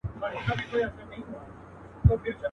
اشنا د بل وطن سړی دی.